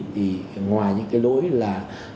thì ngoài những cái lỗi là